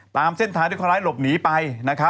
ตามเส้นทางที่คนร้ายหลบหนีไป